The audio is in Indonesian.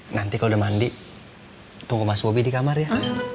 nanti kalau udah mandi tunggu mas bobi di kamar ya